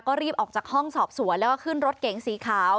ก็รีบออกจากห้องสอบสวนแล้วก็ขึ้นรถเก๋งสีขาว